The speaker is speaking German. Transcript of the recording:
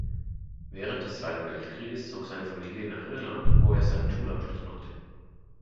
Während des Zweiten Weltkrieges zog seine Familie nach Irland, wo er seinen Schulabschluss machte.